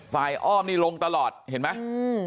ฝ่ายอ้อมลงตลอดเห็นไหม